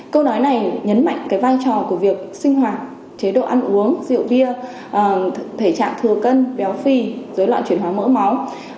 câu nói này nhấn mạnh vai trò của việc sinh hoạt chế độ ăn uống rượu bia thể trạng thừa cân béo phi dưới loạn chuyển hóa mỡ máu